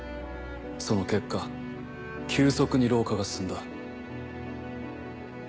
その結果急速に老化が進んだ。